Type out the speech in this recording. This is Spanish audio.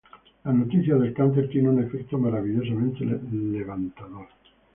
La noticia del cáncer tiene un efecto maravillosamente levantador.